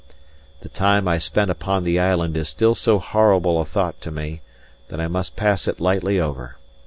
The time I spent upon the island is still so horrible a thought to me, that I must pass it lightly over.